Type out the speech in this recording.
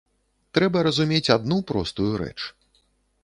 Трэба разумець адну простую рэч.